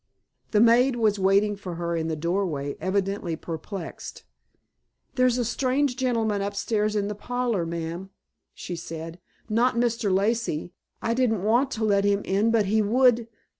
The maid was waiting for her in the doorway, evidently perturbed. "There's a strange gentleman upstairs in the parlor, ma'am," she said. "Not Mr. Lacey. I didn't want to let him in but he would.